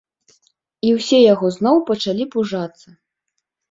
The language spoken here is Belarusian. І ўсе яго зноў пачалі пужацца.